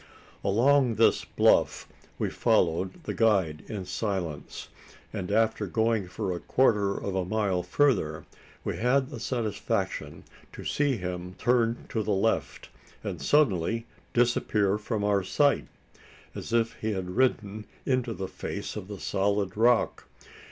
Along this bluff we followed the guide in silence; and, after going for a quarter of a mile further, we had the satisfaction to see him turn to the left, and suddenly disappear from our sight as if he had ridden into the face of the solid rock!